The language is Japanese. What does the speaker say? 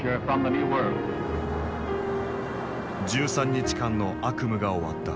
１３日間の悪夢が終わった。